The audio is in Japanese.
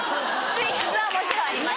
寝室はもちろんあります。